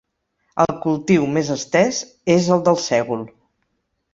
El cultiu més estès és el del sègol.